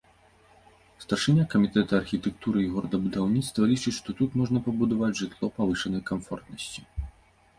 Старшыня камітэта архітэктуры і горадабудаўніцтва лічыць што тут можна пабудаваць жытло павышанай камфортнасці.